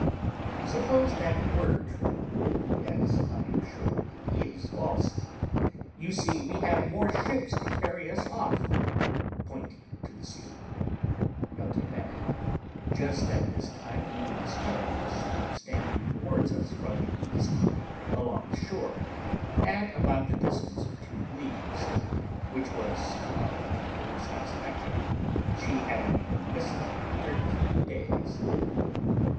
W. Suppose that were true, as I am sure it is false; you see we have more ships to carry us off (pointing to the sloop). [N.B. Just at this time we discovered the sloop standing towards us from the east, along the shore, at about the distance of two leagues, which was to our particular satisfaction, she having been missing thirteen days.